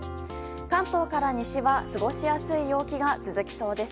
関東から西は過ごしやすい陽気が続きそうです。